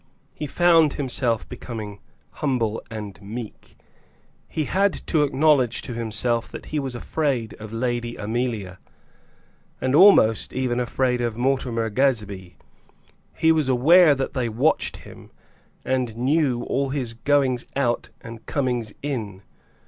He found himself becoming humble and meek. He had to acknowledge to himself that he was afraid of Lady Amelia, and almost even afraid of Mortimer Gazebee. He was aware that they watched him, and knew all his goings out and comings in.